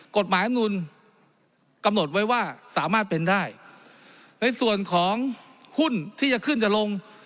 กฎหมายอำนูลกำหนดไว้ว่าสามารถเป็นได้ในส่วนของหุ้นที่จะขึ้นจะลง